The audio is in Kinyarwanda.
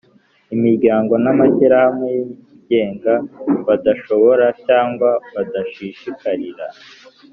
imiryango n'amashyirahamwe yigenga badashobora cyangwa badashishikarira.